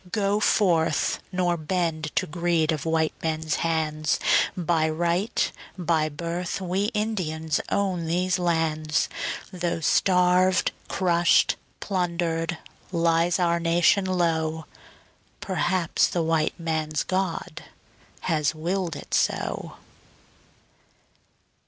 Go forth, nor bend to greed of white men's hands, By right, by birth we Indians own these lands, Though starved, crushed, plundered, lies our nation low... Perhaps the white man's God has willed it so.